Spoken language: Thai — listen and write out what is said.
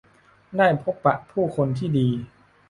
ได้พบปะผู้คนที่ดี